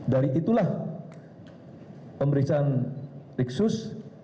dari itulah pemeriksaan riksus